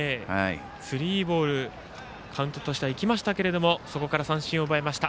スリーボールカウントとしてはいきましたけどそこから三振を奪いました。